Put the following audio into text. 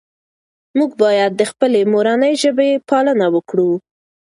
موږ باید د خپلې مورنۍ ژبې پالنه وکړو.